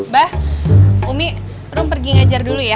baah umi rom pergi ngajar dulu ya